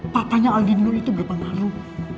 papanya aldino itu berpengaruh